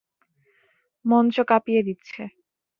মঞ্চ কাঁপিয়ে দিচ্ছে।